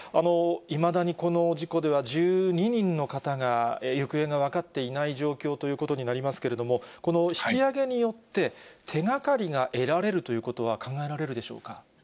いまだにこの事故では１２人の方が行方が分かっていない状況ということになりますけれども、この引き揚げによって、手がかりが得られるということは考えられるでしょうか。